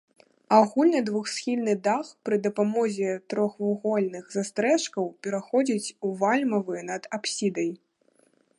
Агульны двухсхільны дах пры дапамозе трохвугольных застрэшкаў пераходзіць у вальмавы над апсідай.